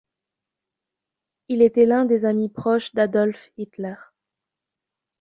Il était l'un des amis proches d'Adolf Hitler.